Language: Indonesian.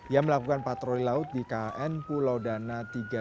yang melakukan patroli laut di kn pulau dana tiga ratus dua puluh tiga